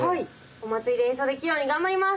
お祭りで演奏できるように頑張ります。